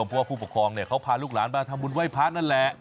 เพราะว่าผู้ปกครองเขาพาลูกหลานมาทำบุญไหว้พระนั่นแหละ